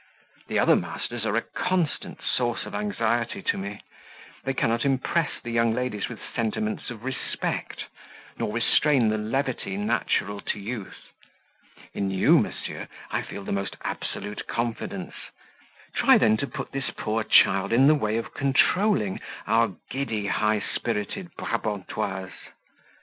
The other masters are a constant source of anxiety to me; they cannot impress the young ladies with sentiments of respect, nor restrain the levity natural to youth: in you, monsieur, I feel the most absolute confidence; try then to put this poor child into the way of controlling our giddy, high spirited Brabantoises.